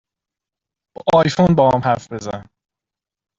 با آیفون باهام حرف بزن